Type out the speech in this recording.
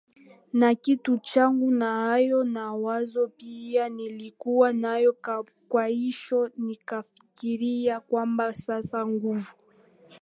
na kitu changu Na hayo mawazo pia nilikuwa nayo Kwahiyo nikafikiria kwamba sasa nguvu